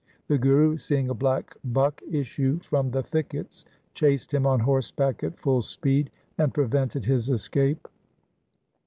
The Guru, seeing a black buck issue from the thickets, chased him on horseback at full speed and prevented his escape.